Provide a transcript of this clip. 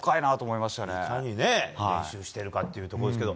いかに練習してるかっていうところですけど。